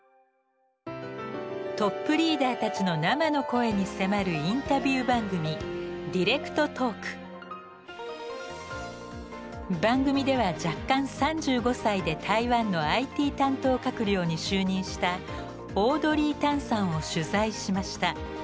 トップリーダーたちの生の声に迫るインタビュー番組番組では弱冠３５歳で台湾のＩＴ担当閣僚に就任したオードリー・タンさんを取材しました。